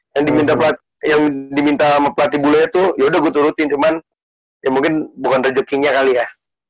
yang diminta sama platy bule tuh yaudah gua turutin cuman ya mungkin bukan rejekinya kali ya